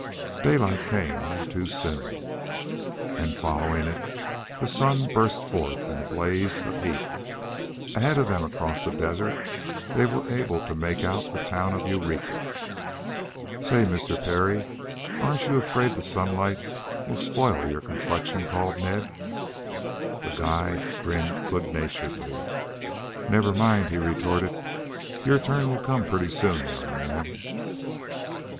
Daylight came all too soon, and following it the sun burst forth in a blaze of heat. Ahead of them across the desert they were able to make out the town of Eureka. "Say, Mr. Parry, aren't you afraid this sunlight will spoil your complexion?" called Ned. The guide grinned good naturedly. "Never mind," he retorted. "Your turn will come pretty soon, young man."